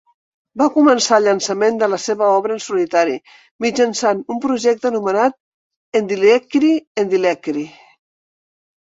Va començar el llançament de la seva obra en solitari mitjançant un projecte anomenat Endlicheri-Endlicheri.